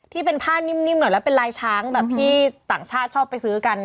ที่เป็นผ้านิ่มหน่อยแล้วเป็นลายช้างแบบที่ต่างชาติชอบไปซื้อกัน